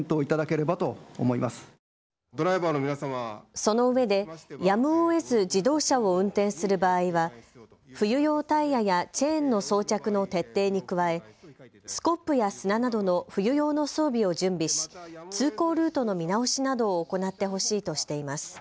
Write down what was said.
そのうえでやむをえず自動車を運転する場合は冬用タイヤやチェーンの装着の徹底に加えスコップや砂などの冬用の装備を準備し通行ルートの見直しなどを行ってほしいとしています。